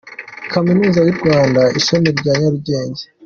Kaminuza yu rwanda ishami rya nyarugenge.